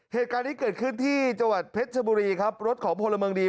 เหตุการที่เกิดขึ้นที่จุฐแผตชะบุรีครับรถของพลบเมรมดี